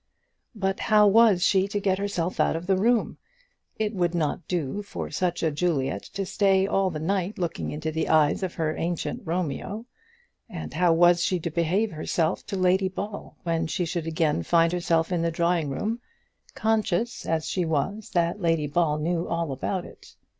But how was she to get herself out of the room? It would not do for such a Juliet to stay all the night looking into the eyes of her ancient Romeo. And how was she to behave herself to Lady Ball, when she should again find herself in the drawing room, conscious as she was that Lady Ball knew all about it?